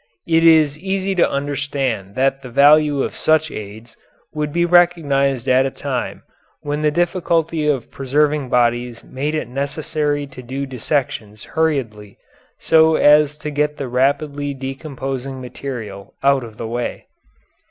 It is easy to understand that the value of such aids would be recognized at a time when the difficulty of preserving bodies made it necessary to do dissections hurriedly so as to get the rapidly decomposing material out of the way.